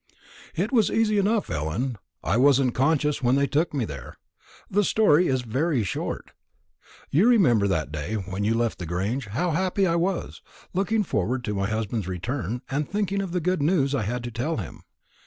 "It was easy enough, Ellen; I wasn't conscious when they took me there. The story is very short. You remember that day when you left the Grange, how happy I was, looking forward to my husband's return, and thinking of the good news I had to tell him.